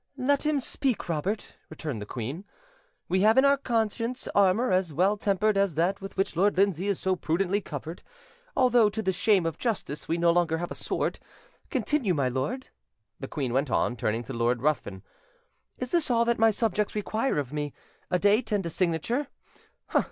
"Let him speak, Robert," returned the queen. "We have in our conscience armour as well tempered as that with which Lord Lindsay is so prudently covered, although, to the shame of justice, we no longer have a sword. Continue, my lord," the queen went on, turning to Lord Ruthven: "is this all that my subjects require of me? A date and a signature?